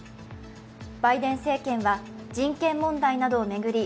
バイデン政権は人権問題などを巡り